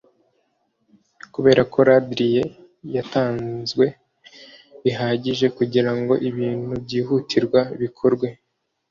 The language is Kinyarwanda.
kuberako larder ye yatanzwe bihagije kugirango ibintu byihutirwa bikorwe